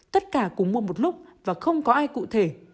tất cả cùng mua một lúc và không có ai cụ thể